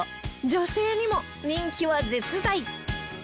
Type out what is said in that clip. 女性にも人気は絶大！